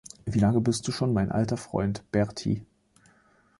Wie lange bist du schon mein alter Freund, Bertie?